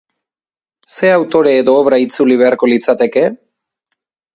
Ze autore edo obra itzuli beharko litzateke?